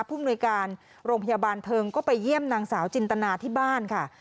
มนุยการโรงพยาบาลเทิงก็ไปเยี่ยมนางสาวจินตนาที่บ้านค่ะ